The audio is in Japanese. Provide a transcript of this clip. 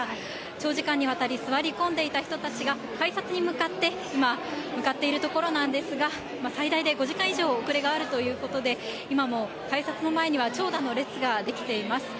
長時間にわたり、座り込んでいた人たちが、改札に向かって、今、向かっているところなんですが、最大で５時間以上、遅れがあるということで、今も改札の前には長蛇の列が出来ています。